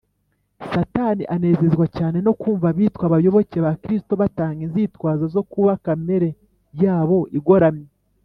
satani anezezwa cyane no kumva abitwa abayoboke ba kristo batanga inzitwazo zo kuba kamere yabo igoramye